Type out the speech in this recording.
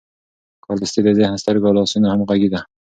کاردستي د ذهن، سترګو او لاسونو همغږي ده.